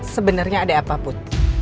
sebenernya ada apa put